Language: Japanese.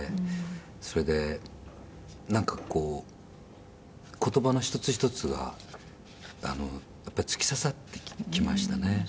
それで、なんか、こう言葉の一つ一つが突き刺さってきましたね。